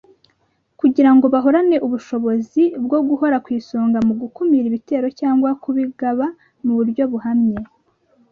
kugira ngo bahorane ubushobozi bwo guhora ku isonga mu gukumira ibitero cyangwa kubigaba mu buryo buhamye